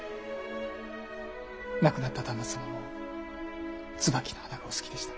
亡くなった旦那様も椿の花がお好きでした。